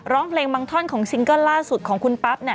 ร้องเพลงบางท่อนของซิงเกิ้ลล่าสุดของคุณปั๊บเนี่ย